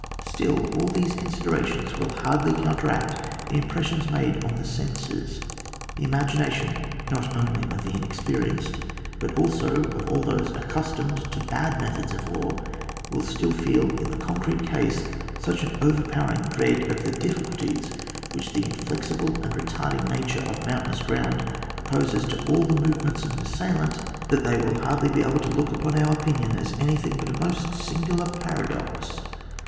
Still all these considerations will hardly counteract the impressions made on the senses. The imagination not only of the inexperienced but also of all those accus tomed to bad methods of war will still feel in the concrete case such an over powering dread of the difficulties which the inflexible and retarding nature of mountainous ground opposes to all the movements of an assailant, that they will hardly be able to look upon our opinion as anything but a most singular paradox.